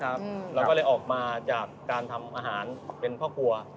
เราก็เลยออกมาจากการทำอาหารเป็นพ่อครัว